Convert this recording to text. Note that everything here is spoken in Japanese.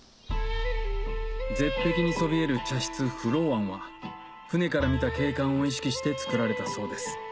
絶壁にそびえる茶室不老庵は舟から見た景観を意識して作られたそうです